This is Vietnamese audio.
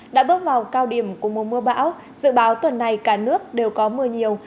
đã bước vào cao điểm của mùa mưa bão dự báo tuần này cả nước đều có mưa nhiều